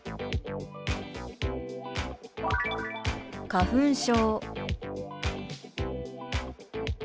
「花粉症」。